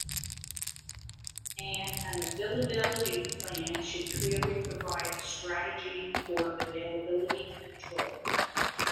An availability plan should clearly provide a strategy for availability control.